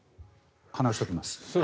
話しておきます。